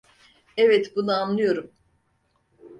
Evet, bunu anlıyorum.